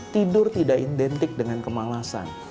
tidur tidak identik dengan kemalasan